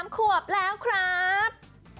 ๓ขวบแล้วครับ